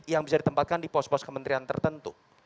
yang bisa ditempatkan di pos pos kementerian tertentu